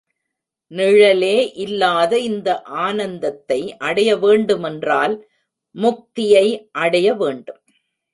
நிழலே இல்லாத இந்த ஆனந்தத்தை அடைய வேண்டுமென்றால் முத்தியை அடைய வேண்டும்.